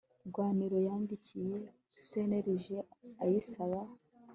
rwaniro yandikiye cnlg ayisaba